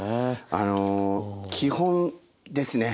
あの基本ですね